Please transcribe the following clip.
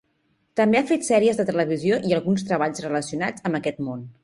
També ha fet sèries de televisió i alguns treballs relacionats amb aquest món.